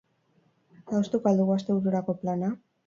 Adostuko al dugu astebururako plana?